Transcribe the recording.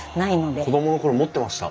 子供の頃持ってました。